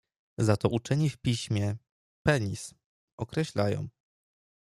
Za to uczeni w piśmie, penis - określają.